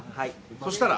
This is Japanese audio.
そしたら？